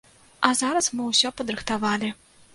А зараз мы ўсё падрыхтавалі.